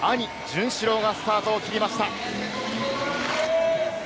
小林陵侑の兄・潤志郎がスタートを切りました。